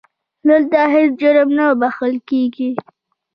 دلته هیڅ جرم نه بښل کېږي.